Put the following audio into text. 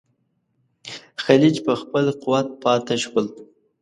خلج په خپل قوت پاته شول.